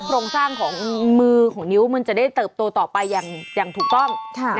โครงสร้างของมือของนิ้วมันจะได้เติบโตต่อไปอย่างถูกต้อง